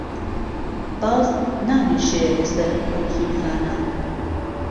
باز نانیشێ له سهر ئهو زولفانه